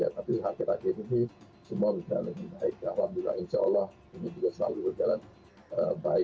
alhamdulillah insya allah ini juga selalu berjalan baik